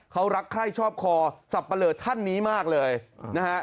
เขารักใคร่ชอบคอสับปะเลอท่านนี้มากเลยนะฮะ